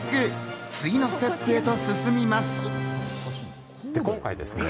次のステップへと進みます。